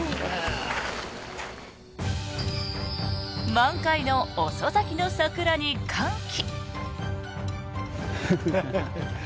満開の遅咲きの桜に歓喜。